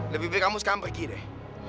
lebih baik kamu sekarang pergi deh